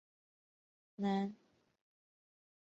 南圣克里斯托旺是巴西圣卡塔琳娜州的一个市镇。